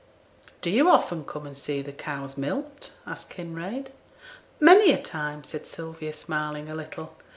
'Do you often come and see the cows milked?' asked Kinraid, 'Many a time,' said Sylvia, smiling a little.